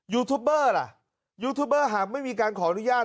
ยูทูบเบอร์ล่ะยูทูบเบอร์หากไม่มีการขออนุญาต